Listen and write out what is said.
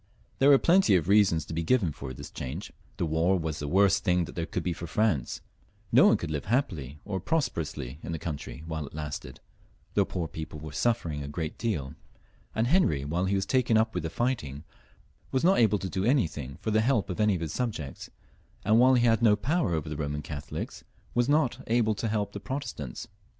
There were plenty of reasons to be given for his change. The war was the worst thing there could be for France ; no one could live happily or prosperously in the country while it lasted; the poor people were suffering a great deal, and Henry, while he was taken up with fighting, was not able to do anything for the help of any of his subjects, and, while he had no power over the Boman Catholics, was not able to help the Protestants.